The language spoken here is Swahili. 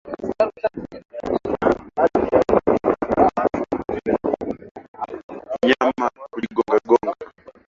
Mnyama kujigongagonga kwa nguvu ni dalili za ugonjwa wa ndigana baridi